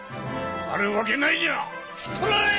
あるわけないにゃひっ捕らえい！